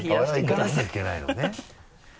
我々行かなきゃいけないのね。